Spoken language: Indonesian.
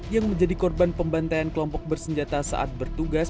yang menjadi korban pembantaian kelompok bersenjata saat bertugas